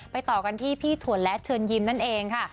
ต่อกันที่พี่ถั่วและเชิญยิ้มนั่นเองค่ะ